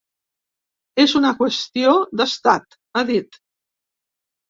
És una qüestió d’estat, ha dit.